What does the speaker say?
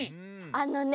あのね